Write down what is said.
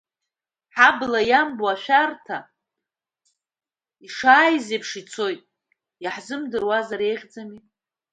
Ҳабла иамбо ашәарҭа, ишааиз еиԥш, ицоит, иаҳзымдыруазар еиӷьӡами?